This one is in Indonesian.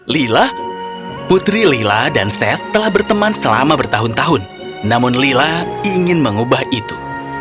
lila putri lila dan seth telah berteman selama bertahun tahun namun lila ingin mengubah itu